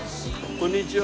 こんにちは。